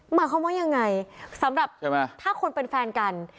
หมายความว่ายังไงสำหรับถ้าคนเป็นแฟนกัน